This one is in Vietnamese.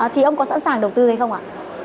thì ông có sẵn sàng đầu tư hay không ạ